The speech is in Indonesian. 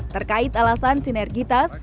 terkait alasan sinergitas